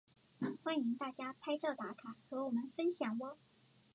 欢迎大家拍照打卡和我们分享喔！